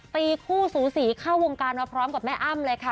ตีคู่สูสีเข้าวงการมาพร้อมกับแม่อ้ำเลยค่ะ